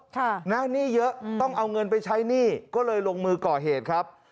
ค่ะนะหนี้เยอะต้องเอาเงินไปใช้หนี้ก็เลยลงมือก่อเหตุครับ